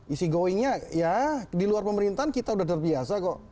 easy going nya ya di luar pemerintahan kita udah terbiasa kok